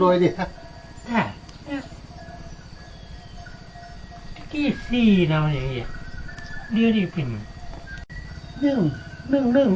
โดยเนี้ยแก่นี้ที่สี่น้ำเรียกนี่ที่เป็นหนึ่งหนึ่งหนึ่ง